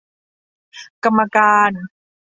กรรมการ